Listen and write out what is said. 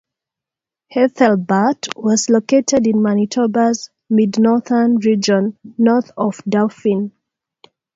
Ethelbert was located in Manitoba's mid-northern region, north of Dauphin.